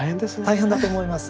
大変だと思います。